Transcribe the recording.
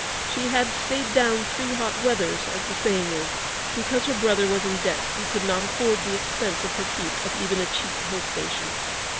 She had 'stayed down three hot weathers,' as the saying is, because her brother was in debt and could not afford the expense of her keep at even a cheap hill station.